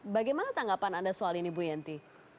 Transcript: bagaimana tanggapan anda soal ini bu yenti